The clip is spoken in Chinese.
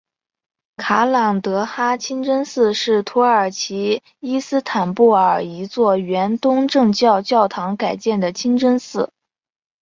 卡朗德哈清真寺是土耳其伊斯坦布尔一座原东正教教堂改建的清真寺。